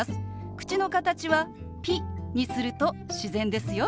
口の形は「ピ」にすると自然ですよ。